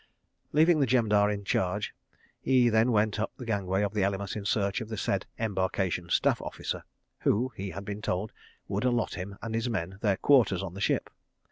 Leaving the Jemadar in charge, he then went up the gangway of the Elymas in search of the said Embarkation Staff Officer, who, he had been told, would allot him and his men their quarters on the ship.